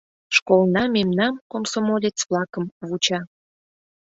Школна мемнам, комсомолец-влакым, вуча.